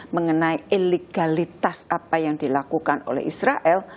mengenai ilegalitas apa yang dilakukan oleh israel